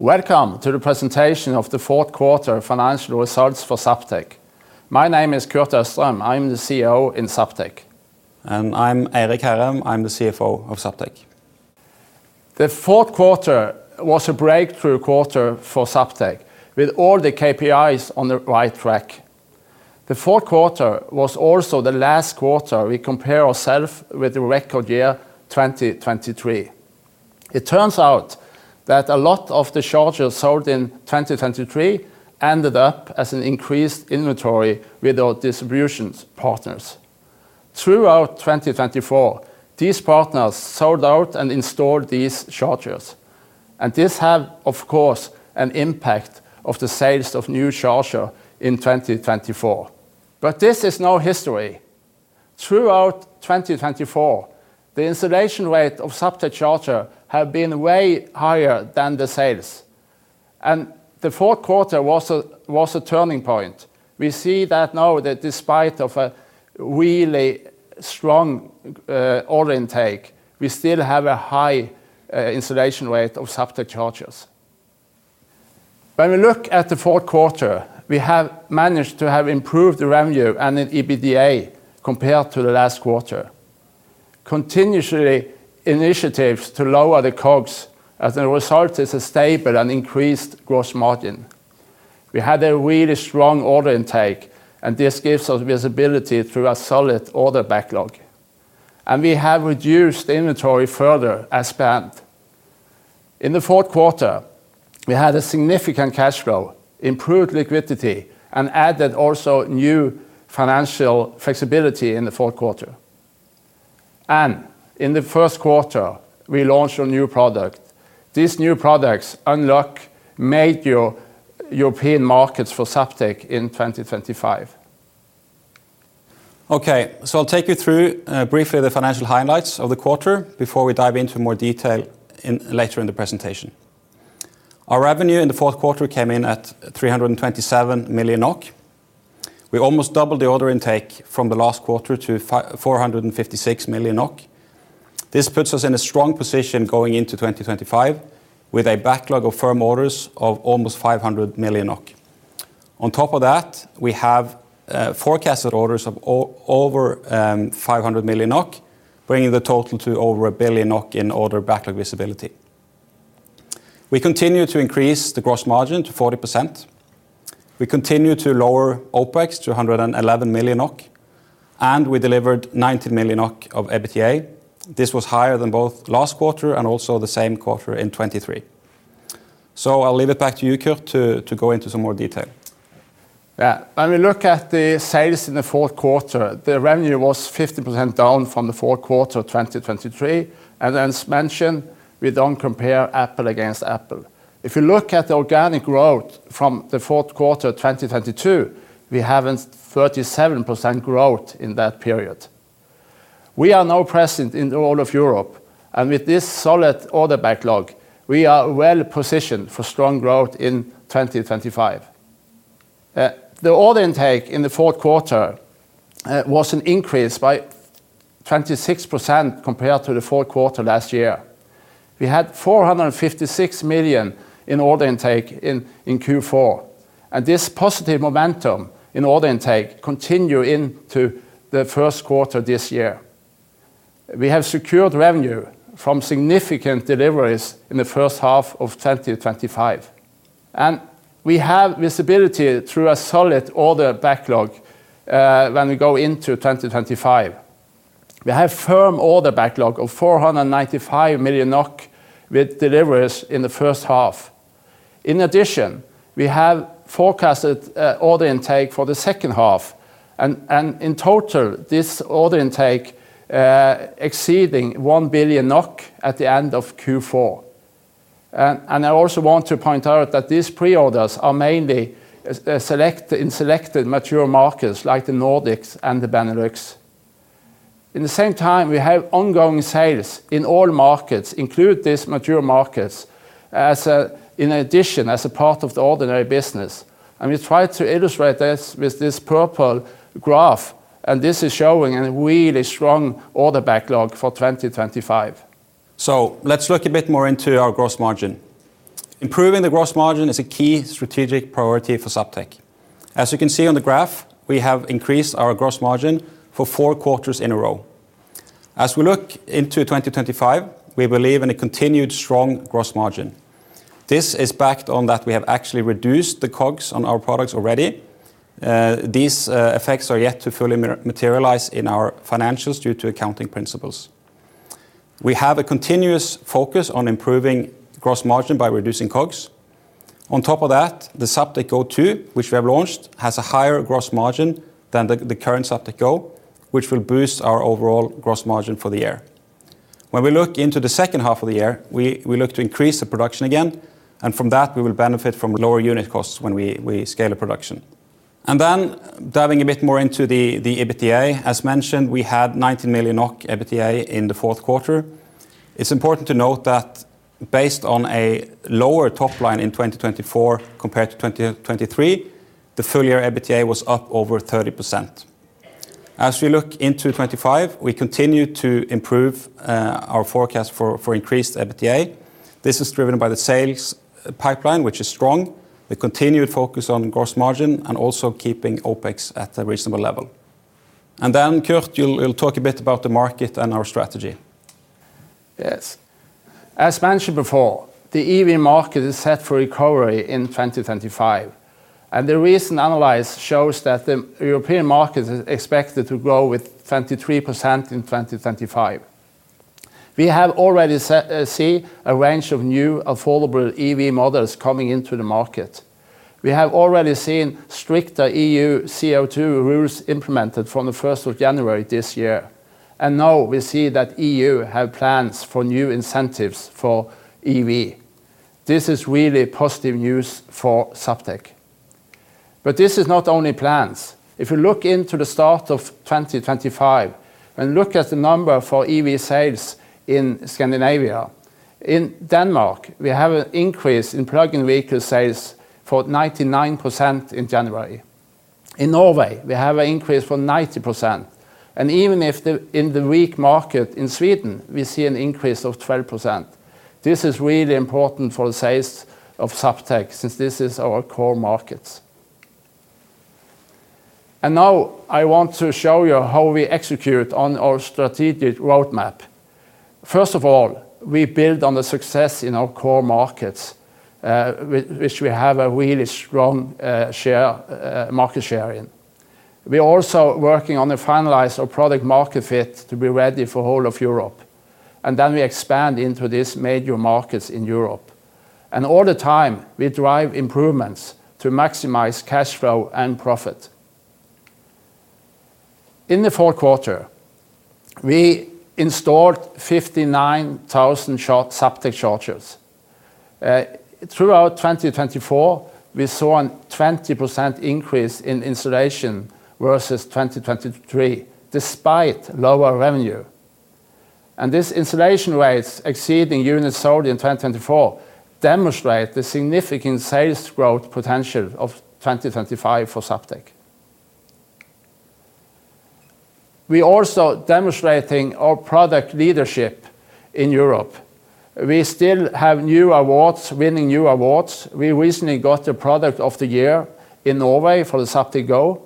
Welcome to the presentation of the fourth quarter financial results for Zaptec. My name is Kurt Østrem. I'm the CEO in Zaptec. I'm Eirik Hærem. I'm the CFO of Zaptec. The fourth quarter was a breakthrough quarter for Zaptec, with all the KPIs on the right track. The fourth quarter was also the last quarter we compare ourselves with the record year 2023. It turns out that a lot of the chargers sold in 2023 ended up as an increased inventory with our distribution partners. Throughout 2024, these partners sold out and installed these chargers. This had, of course, an impact on the sales of new chargers in 2024. This is now history. Throughout 2024, the installation rate of Zaptec chargers has been way higher than the sales. The fourth quarter was a turning point. We see that now that despite a really strong order intake, we still have a high installation rate of Zaptec chargers. When we look at the fourth quarter, we have managed to have improved revenue and EBITDA compared to the last quarter. Continuous initiatives to lower the COGS, as a result, is a stable and increased gross margin. We had a really strong order intake, and this gives us visibility through a solid order backlog. We have reduced inventory further as planned. In the fourth quarter, we had a significant cash flow, improved liquidity, and added also new financial flexibility in the fourth quarter. In the first quarter, we launched a new product. These new products unlock major European markets for Zaptec in 2025. Okay, so I'll take you through briefly the financial highlights of the quarter before we dive into more detail later in the presentation. Our revenue in the fourth quarter came in at 327 million NOK. We almost doubled the order intake from the last quarter to 456 million NOK. This puts us in a strong position going into 2025, with a backlog of firm orders of almost 500 million NOK. On top of that, we have forecasted orders of over 500 million NOK, bringing the total to over 1 billion NOK in order backlog visibility. We continue to increase the gross margin to 40%. We continue to lower OpEx to 111 million NOK, and we delivered 90 million NOK of EBITDA. This was higher than both last quarter and also the same quarter in 2023. I'll leave it back to you, Kurt, to go into some more detail. Yeah, when we look at the sales in the fourth quarter, the revenue was 50% down from the fourth quarter of 2023. As mentioned, we do not compare Apple against Apple. If you look at the organic growth from the fourth quarter of 2022, we have a 37% growth in that period. We are now present in all of Europe, and with this solid order backlog, we are well positioned for strong growth in 2025. The order intake in the fourth quarter was an increase by 26% compared to the fourth quarter last year. We had 456 million in order intake in Q4, and this positive momentum in order intake continued into the first quarter this year. We have secured revenue from significant deliveries in the first half of 2025, and we have visibility through a solid order backlog when we go into 2025. We have a firm order backlog of 495 million NOK with deliveries in the first half. In addition, we have forecasted order intake for the second half, and in total, this order intake exceeding 1 billion NOK at the end of Q4. I also want to point out that these pre-orders are mainly in selected mature markets like the Nordics and the Benelux. At the same time, we have ongoing sales in all markets, including these mature markets, in addition as a part of the ordinary business. We try to illustrate this with this purple graph, and this is showing a really strong order backlog for 2025. Let's look a bit more into our gross margin. Improving the gross margin is a key strategic priority for Zaptec. As you can see on the graph, we have increased our gross margin for four quarters in a row. As we look into 2025, we believe in a continued strong gross margin. This is backed on that we have actually reduced the COGS on our products already. These effects are yet to fully materialize in our financials due to accounting principles. We have a continuous focus on improving gross margin by reducing COGS. On top of that, the Zaptec Go 2, which we have launched, has a higher gross margin than the current Zaptec Go, which will boost our overall gross margin for the year. When we look into the second half of the year, we look to increase the production again, and from that, we will benefit from lower unit costs when we scale the production. Diving a bit more into the EBITDA, as mentioned, we had 90 million NOK EBITDA in the fourth quarter. It is important to note that based on a lower top line in 2024 compared to 2023, the full year EBITDA was up over 30%. As we look into 2025, we continue to improve our forecast for increased EBITDA. This is driven by the sales pipeline, which is strong, the continued focus on gross margin, and also keeping OpEx at a reasonable level. Kurt, you'll talk a bit about the market and our strategy. Yes. As mentioned before, the EV market is set for recovery in 2025, and the recent analysis shows that the European market is expected to grow with 23% in 2025. We have already seen a range of new affordable EV models coming into the market. We have already seen stricter EU CO2 rules implemented from the 1st of January this year. Now we see that the EU has plans for new incentives for EV. This is really positive news for Zaptec. This is not only plans. If you look into the start of 2025 and look at the number for EV sales in Scandinavia, in Denmark, we have an increase in plug-in vehicle sales for 99% in January. In Norway, we have an increase for 90%. Even in the weak market in Sweden, we see an increase of 12%. This is really important for the sales of Zaptec since this is our core market. I want to show you how we execute on our strategic roadmap. First of all, we build on the success in our core markets, which we have a really strong market share in. We are also working on to finalize our product market fit to be ready for the whole of Europe. We expand into these major markets in Europe. All the time, we drive improvements to maximize cash flow and profit. In the fourth quarter, we installed 59,000 Zaptec chargers. Throughout 2024, we saw a 20% increase in installation versus 2023, despite lower revenue. These installation rates, exceeding units sold in 2024, demonstrate the significant sales growth potential of 2025 for Zaptec. We are also demonstrating our product leadership in Europe. We still have new awards, winning new awards. We recently got the Product of the Year in Norway for the Zaptec Go.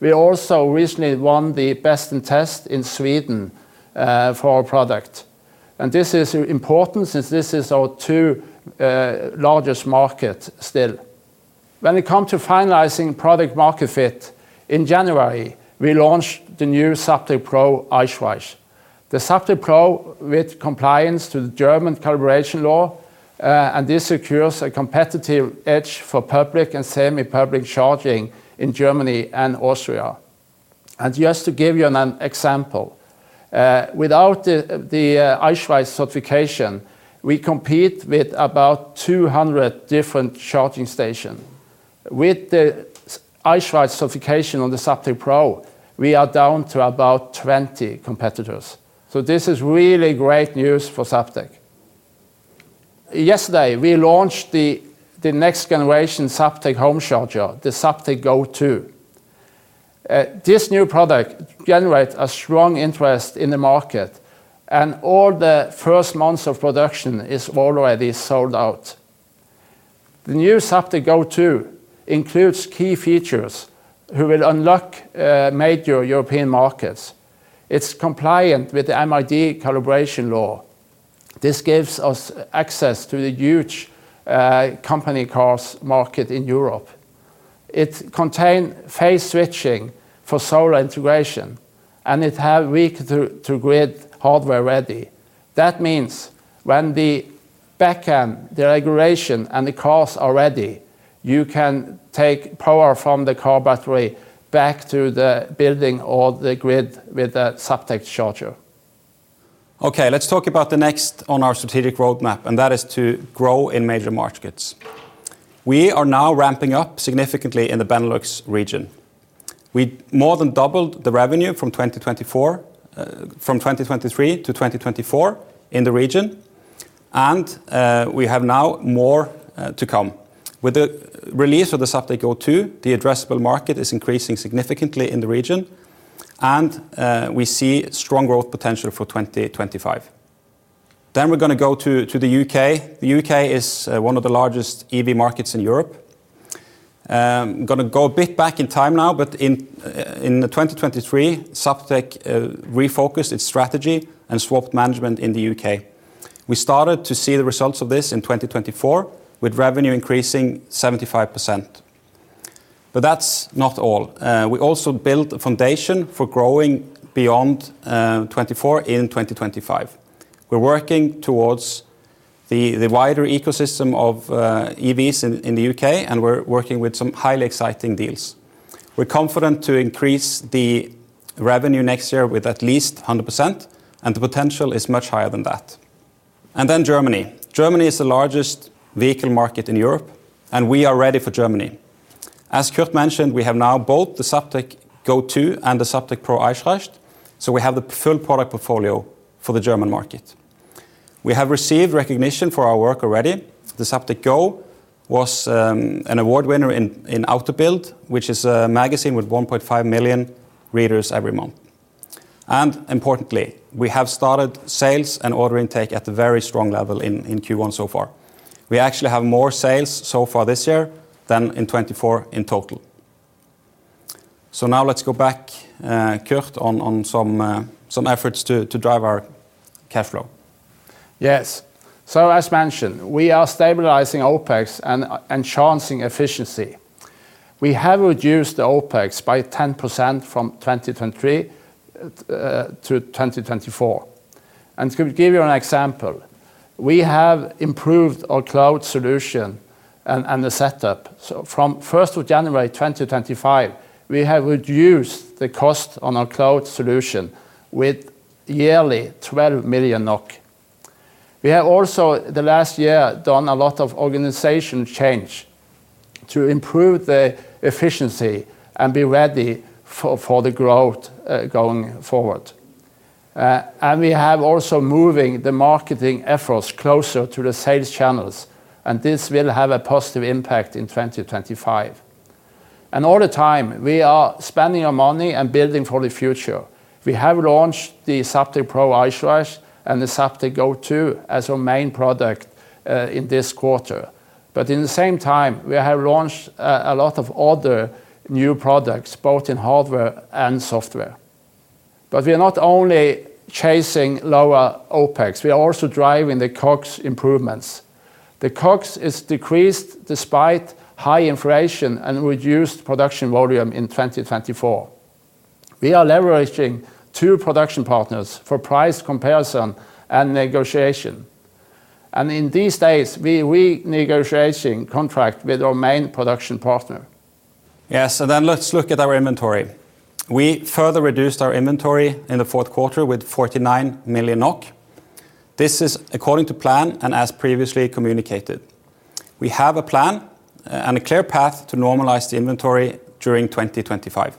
We also recently won the Best in Test in Sweden for our product. This is important since this is our two largest markets still. When it comes to finalizing product market fit, in January, we launched the new Zaptec Pro Eichrecht. The Zaptec Pro, with compliance to the German calibration law, secures a competitive edge for public and semi-public charging in Germany and Austria. Just to give you an example, without the Eichrecht certification, we compete with about 200 different charging stations. With the Eichrecht certification on the Zaptec Pro, we are down to about 20 competitors. This is really great news for Zaptec. Yesterday, we launched the next generation Zaptec home charger, the Zaptec Go 2. This new product generates a strong interest in the market, and all the first months of production are already sold out. The new Zaptec Go 2 includes key features that will unlock major European markets. It's compliant with the MID calibration law. This gives us access to the huge company cars market in Europe. It contains phase switching for solar integration, and it has vehicle-to-grid hardware ready. That means when the backend, the regulation, and the cars are ready, you can take power from the car battery back to the building or the grid with the Zaptec charger. Okay, let's talk about the next on our strategic roadmap, and that is to grow in major markets. We are now ramping up significantly in the Benelux region. We more than doubled the revenue from 2023 to 2024 in the region, and we have now more to come. With the release of the Zaptec Go 2, the addressable market is increasing significantly in the region, and we see strong growth potential for 2025. We are going to go to the U.K. The U.K. is one of the largest EV markets in Europe. I'm going to go a bit back in time now, but in 2023, Zaptec refocused its strategy and swapped management in the U.K. We started to see the results of this in 2024, with revenue increasing 75%. That is not all. We also built a foundation for growing beyond 2024 in 2025. We're working towards the wider ecosystem of EVs in the U.K., and we're working with some highly exciting deals. We're confident to increase the revenue next year with at least 100%, and the potential is much higher than that. Germany is the largest vehicle market in Europe, and we are ready for Germany. As Kurt mentioned, we have now both the Zaptec Go 2 and the Zaptec Pro Eichrecht, so we have the full product portfolio for the German market. We have received recognition for our work already. The Zaptec Go was an award winner in AUTO BILD, which is a magazine with 1.5 million readers every month. Importantly, we have started sales and order intake at a very strong level in Q1 so far. We actually have more sales so far this year than in 2024 in total. Now let's go back, Kurt, on some efforts to drive our cash flow. Yes. As mentioned, we are stabilizing OpEx and enhancing efficiency. We have reduced the OpEx by 10% from 2023 to 2024. To give you an example, we have improved our cloud solution and the setup. From 1st of January 2025, we have reduced the cost on our cloud solution by nearly 12 million NOK. We have also, the last year, done a lot of organizational change to improve the efficiency and be ready for the growth going forward. We have also moved the marketing efforts closer to the sales channels, and this will have a positive impact in 2025. All the time, we are spending our money and building for the future. We have launched the Zaptec Pro Eichrecht and the Zaptec Go 2 as our main product in this quarter. At the same time, we have launched a lot of other new products, both in hardware and software. We are not only chasing lower OpEx; we are also driving the COGS improvements. The COGS is decreased despite high inflation and reduced production volume in 2024. We are leveraging two production partners for price comparison and negotiation. These days, we are renegotiating contracts with our main production partner. Yes. Let's look at our inventory. We further reduced our inventory in the fourth quarter with 49 million NOK. This is according to plan and as previously communicated. We have a plan and a clear path to normalize the inventory during 2025.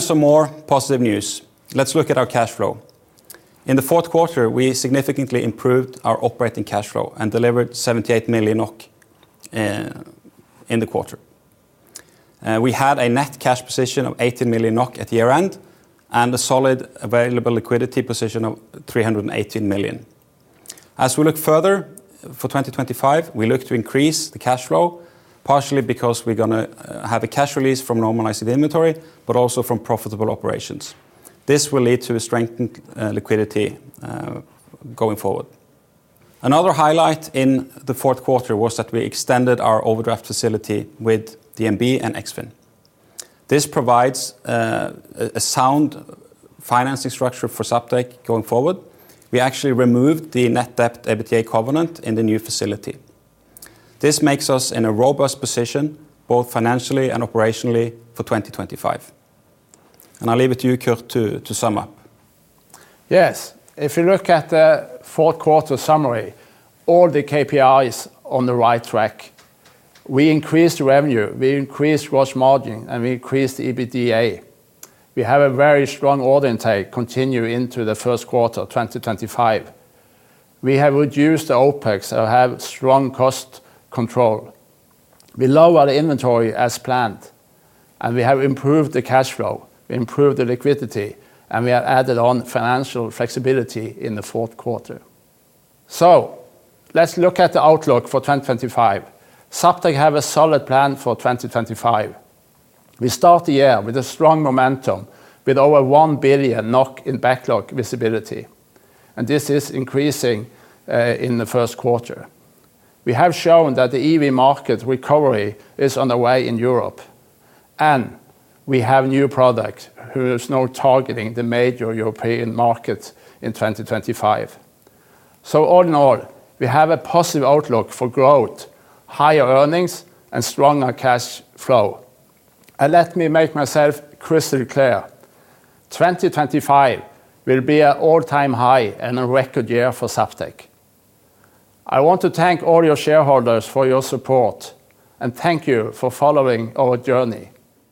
Some more positive news. Let's look at our cash flow. In the fourth quarter, we significantly improved our operating cash flow and delivered 78 million NOK in the quarter. We had a net cash position of 18 million NOK at year-end and a solid available liquidity position of 318 million. As we look further for 2025, we look to increase the cash flow, partially because we're going to have a cash release from normalizing inventory, but also from profitable operations. This will lead to strengthened liquidity going forward. Another highlight in the fourth quarter was that we extended our overdraft facility with DNB and Eksfin. This provides a sound financing structure for Zaptec going forward. We actually removed the net debt EBITDA covenant in the new facility. This makes us in a robust position both financially and operationally for 2025. I'll leave it to you, Kurt, to sum up. Yes. If you look at the fourth quarter summary, all the KPIs are on the right track. We increased revenue, we increased gross margin, and we increased EBITDA. We have a very strong order intake continuing into the first quarter of 2025. We have reduced the OpEx and have strong cost control. We lowered the inventory as planned, and we have improved the cash flow, improved the liquidity, and we have added on financial flexibility in the fourth quarter. Let's look at the outlook for 2025. Zaptec has a solid plan for 2025. We start the year with strong momentum, with over 1 billion NOK in backlog visibility, and this is increasing in the first quarter. We have shown that the EV market recovery is underway in Europe, and we have new products who are now targeting the major European markets in 2025. All in all, we have a positive outlook for growth, higher earnings, and stronger cash flow. Let me make myself crystal clear: 2025 will be an all-time high and a record year for Zaptec. I want to thank all you shareholders for your support, and thank you for following our journey.